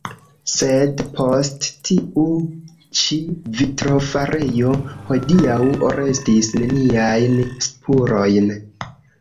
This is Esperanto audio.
Sed post tiu ĉi vitrofarejo hodiaŭ restis neniajn spurojn.